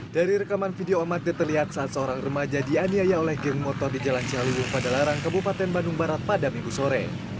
dari rekaman video amatir terlihat saat seorang remaja dianiaya oleh geng motor di jalan ciawiwung pada larang kabupaten bandung barat pada minggu sore